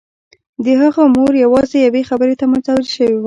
د هغه مور یوازې یوې خبرې ته متوجه شوې وه